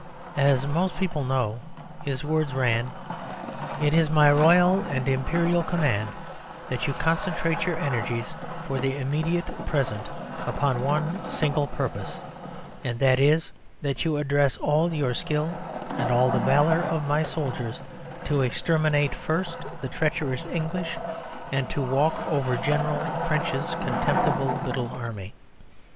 As most people know, his words ran "It is my Royal and Imperial command that you concentrate your energies, for the immediate present, upon one single purpose, and that is that you address all your skill and all the valour of my soldiers to exterminate first the treacherous English and to walk over General French's contemptible little Army."